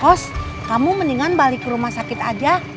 host kamu mendingan balik ke rumah sakit aja